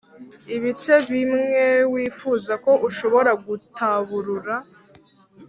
ibice bimwe wifuza ko ushobora gutaburura.